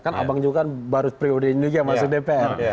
kan abang juga baru prioritas ini juga masuk dpr